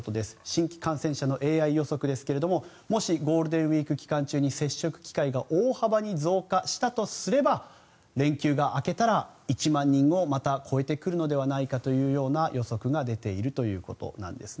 新規感染者のＡＩ予測ですがもしゴールデンウィーク期間中に接触機会が大幅に増加したとすれば連休が明けたら１万人をまた超えてくるのではないかというような予測が出ているということなんです。